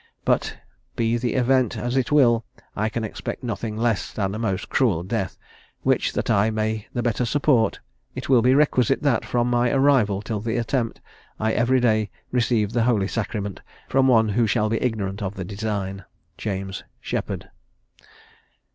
But, be the event as it will, I can expect nothing less than a most cruel death; which, that I may the better support, it will be requisite that, from my arrival till the attempt, I every day receive the Holy Sacrament from one who shall be ignorant of the design. "JAMES SHEPPARD."